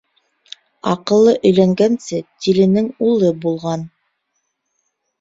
Аҡыллы өйләнгәнсе, тиленең улы булған.